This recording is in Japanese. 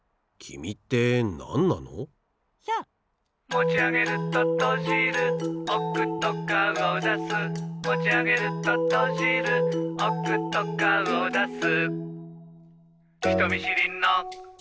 「もちあげるととじるおくと顔だす」「もちあげるととじるおくと顔だす」